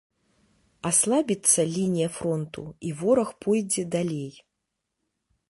Аслабіцца лінія фронту і вораг пойдзе далей.